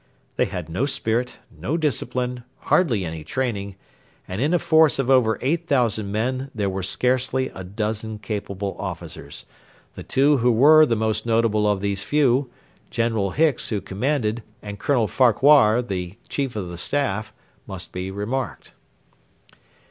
They had no spirit, no discipline, hardly any training, and in a force of over eight thousand men there were scarcely a dozen capable officers. The two who were the most notable of these few General Hicks, who commanded, and Colonel Farquhar, the Chief of the Staff must be remarked.